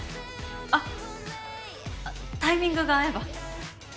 あっタイミングが合えば。